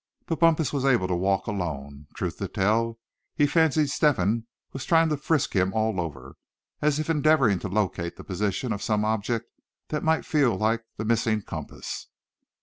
But Bumpus was able to walk alone. Truth to tell he fancied Step hen was trying to frisk him all over, as if endeavoring to locate the position of some object that might feel like the missing compass.